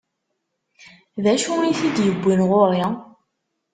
D acu i t-id-iwwin ɣur-i?